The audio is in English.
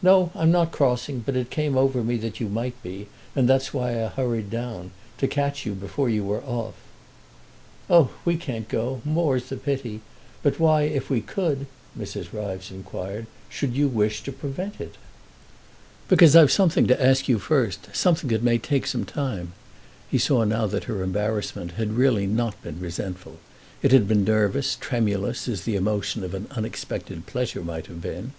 "No, I'm not crossing; but it came over me that you might be, and that's why I hurried down—to catch you before you were off." "Oh, we can't go—more's the pity; but why, if we could," Mrs. Ryves inquired, "should you wish to prevent it?" "Because I've something to ask you first, something that may take some time." He saw now that her embarrassment had really not been resentful; it had been nervous, tremulous, as the emotion of an unexpected pleasure might have been.